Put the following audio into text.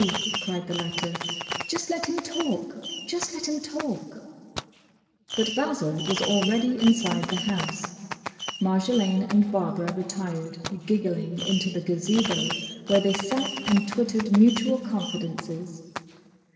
cried the latter, "just let him talk! Just let him talk!" But Basil was already inside the house. Marjolaine and Barbara retired, giggling, into the Gazebo, where they sat and twittered mutual confidences.